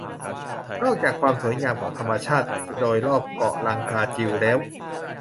นอกจากความสวยงามของธรรมชาติโดยรอบเกาะลังกาจิวแล้ว